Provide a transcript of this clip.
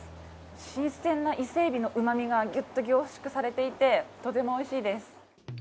新鮮な伊勢えびのうまみがギュッと凝縮されていて、とてもおいしいです。